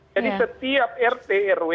jadi setiap rt rw